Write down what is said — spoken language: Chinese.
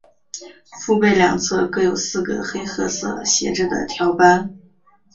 腹背两侧各有四个黑褐色斜着的条斑。